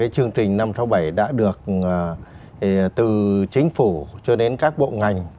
chương trình năm trăm sáu mươi bảy đã được từ chính phủ cho đến các bộ ngành